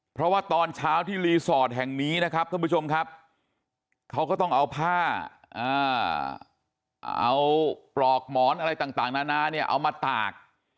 เพราะว่าตอนเช้าที่รีสอร์ทแห่งนี้นะครับท่านผู้ชมครับเขาก็ต้องเอาผ้าเอาปลอกหมอนอะไรต่างนานาเนี่ยเอามาตาก